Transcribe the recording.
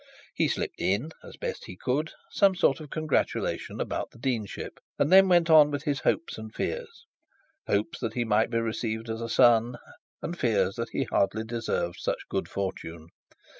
He slipped in, as best he could, some sort of congratulation about the deanship, and then went on with his hopes and fears hopes that he might be received as a son, and fears that he hardly deserved such good fortune.